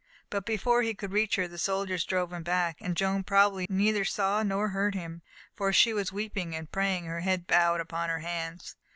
But before he could reach her, the soldiers drove him back, and Joan probably neither saw nor heard him, for she was weeping and praying, her head bowed upon her hands.